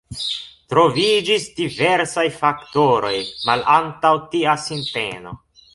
Troviĝis diversaj faktoroj malantaŭ tia sinteno.